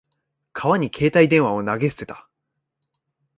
川に携帯電話を投げ捨てた。